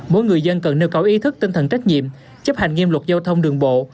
mỗi người dân cần nêu cao ý thức tinh thần trách nhiệm chấp hành nghiêm luật giao thông đường bộ